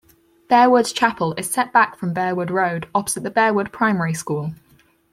Bearwood Chapel is set back from Bearwood Road opposite the Bearwood Primary School.